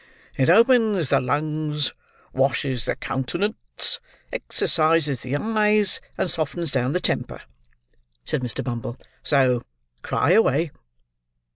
"It opens the lungs, washes the countenance, exercises the eyes, and softens down the temper," said Mr. Bumble. "So cry away."